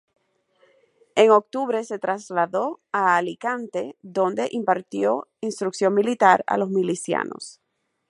En octubre se trasladó a Alicante, donde impartió instrucción militar a los milicianos.